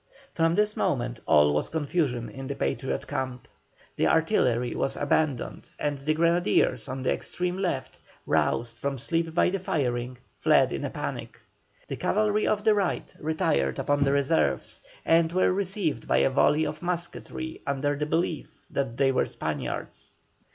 From this moment all was confusion in the Patriot camp. The artillery was abandoned and the grenadiers on the extreme left, roused from sleep by the firing, fled in a panic. The cavalry of the right retired upon the reserves, and were received by a volley of musketry under the belief that they were Spaniards.